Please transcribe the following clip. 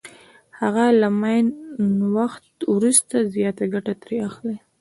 هغه له معین وخت وروسته زیاته ګټه ترې اخلي